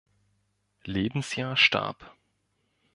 Lebensjahr starb.